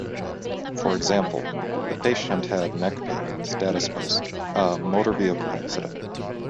For example: "the patient had neck pain "status post" a motor vehicle accident".